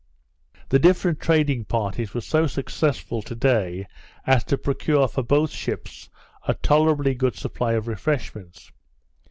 The different trading parties were so successful to day as to procure for both ships a tolerably good supply of refreshments.